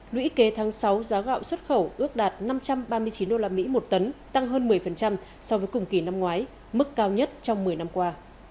lũy kế tháng sáu giá gạo xuất khẩu ước đạt năm trăm ba mươi chín usd một tấn tăng hơn một mươi so với cùng kỳ năm ngoái mức cao nhất trong một mươi năm qua